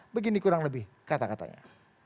begini kurang lebih kata katanya